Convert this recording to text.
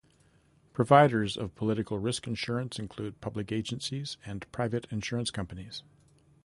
Providers of political risk insurance include public agencies and private insurance companies.